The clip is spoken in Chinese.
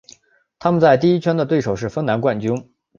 他们在第一圈的对手是芬兰冠军。